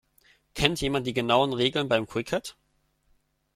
Kennt jemand die genauen Regeln beim Cricket?